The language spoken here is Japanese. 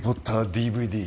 ＤＶＤ